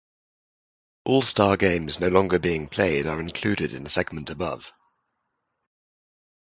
All-star games no longer being played are included in a segment above.